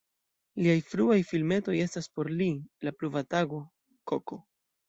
Liaj fruaj filmetoj estas: "Por li", "La pluva tago", "Koko".